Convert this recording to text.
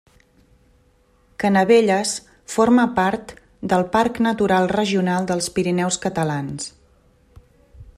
Canavelles forma part del Parc Natural Regional dels Pirineus Catalans.